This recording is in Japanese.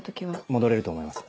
戻れると思います。